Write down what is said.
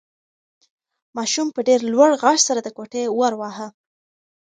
ماشوم په ډېر لوړ غږ سره د کوټې ور واهه.